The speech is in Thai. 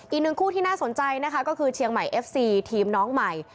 อีกหนึ่งคู่ที่น่าสนใจนะคะก็คือเชียงใหม่เอฟซีทีมน้องใหม่